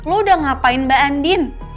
lo udah ngapain mbak andin